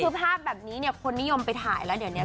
คือภาพแบบนี้เนี่ยคนนิยมไปถ่ายแล้วเดี๋ยวเนี่ย